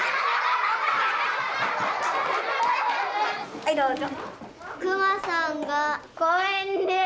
はいどうぞ。